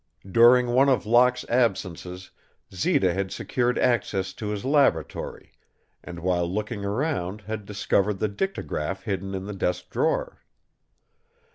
During one of Locke's absences Zita had secured access to his laboratory, and while looking around had discovered the dictagraph hidden in the desk drawer.